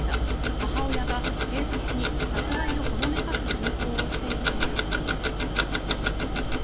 母親が警察に殺害をほのめかす通報をしているということです。